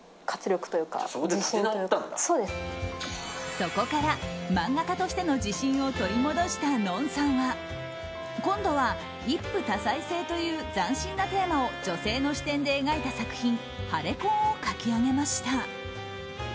そこから漫画家としての自信を取り戻したＮＯＮさんは今度は一夫多妻制という斬新なテーマを女性の視点で描いた作品「ハレ婚。」を描き上げました。